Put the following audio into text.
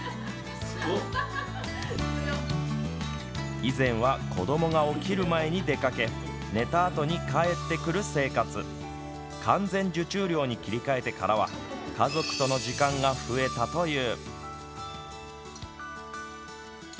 以前は子どもが起きる前に出かけ寝たあとに帰ってくる生活完全受注漁に切り替えてからは家族との時間が増えたという。